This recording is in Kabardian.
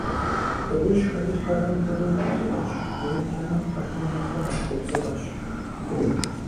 Дыгъужьхэри, хьэхэм хуэдэу, губзыгъэщ, уеблэмэ хьэхэм нэхърэ нэхъ губзыгъэщ.